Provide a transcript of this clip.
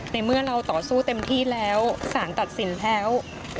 ในเมื่อเราต่อสู้เต็มที่แล้วสารตัดสินแล้ว